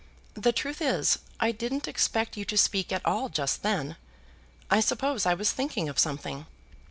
The truth is, I didn't expect you to speak at all just then. I suppose I was thinking of something."